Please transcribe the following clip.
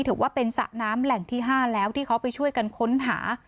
ถือว่าเป็นสระน้ำแหล่งที่๕แล้วที่เขาไปช่วยกันค้นหา